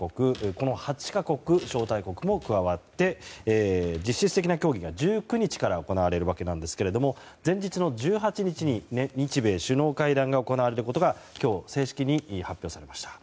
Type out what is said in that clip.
この８か国、招待国も加わって実質的な協議が１９日から行われるわけなんですけれども前日の１８日に日米首脳会談が行われることが今日、正式に発表されました。